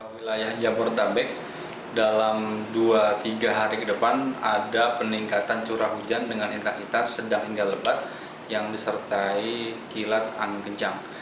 wilayah jabodetabek dalam dua tiga hari ke depan ada peningkatan curah hujan dengan intensitas sedang hingga lebat yang disertai kilat angin kencang